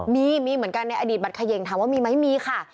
มีมีเหมือนกันในอดีตบัตรเขย่งถามว่ามีไหมมีค่ะ